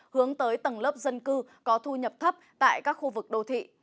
hướng tới tầng lớp dân cư có thu nhập thấp tại các khu vực đô thị